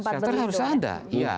shelter harus ada